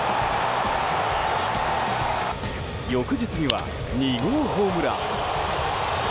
翌日には２号ホームラン。